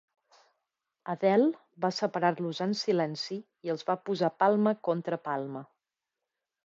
Adele va separar-los en silenci i els va posar palma contra palma.